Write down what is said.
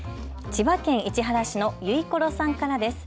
千葉県市原市のゆいころさんからです。